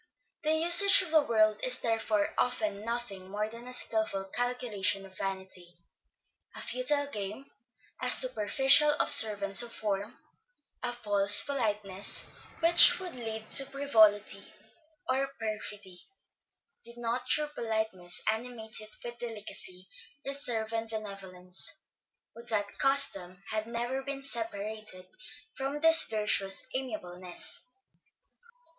The usage of the world is therefore often nothing more than a skilful calculation of vanity, a futile game, a superficial observance of form, a false politeness which would lead to frivolity or perfidy, did not true politeness animate it with delicacy, reserve and benevolence. Would that custom had never been separated from this virtuous amiableness!